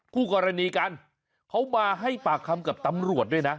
คู่กรณีกันเขามาให้ปากคำกับตำรวจด้วยนะ